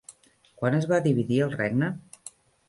Quan es va dividir el regne?